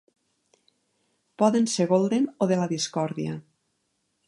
Poden ser golden o de la discòrdia.